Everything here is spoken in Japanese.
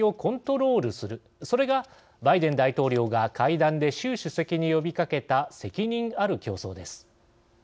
それがバイデン大統領が会談で習主席に呼びかけた責任ある競争です。